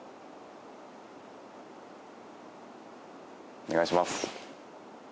お願いします。